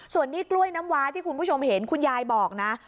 ส่วนนี้กล้วยน้ำว้าที่คุณผู้ชมเห็นคุณยายบอกนะ